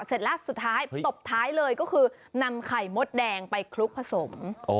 เสร็จแล้วสุดท้ายตบท้ายเลยก็คือนำไข่มดแดงไปคลุกผสม